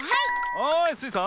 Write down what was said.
はいスイさん。